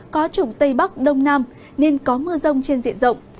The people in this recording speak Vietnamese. có chủng tây bắc đông nam nên có mưa rông trên diện rộng